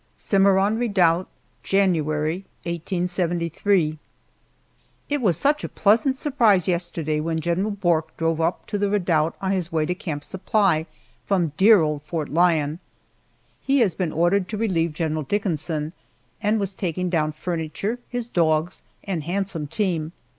CIMARRON REDOUBT, January, 1873. IT was such a pleasant surprise yesterday when General Bourke drove up to the redoubt on his way to Camp Supply from dear old Fort Lyon. He has been ordered to relieve General Dickinson, and was taking down furniture, his dogs, and handsome team.